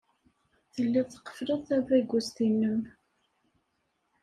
Telliḍ tqeffleḍ tabagust-nnem.